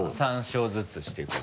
３勝ずつしていく。